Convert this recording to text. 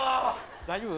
大丈夫？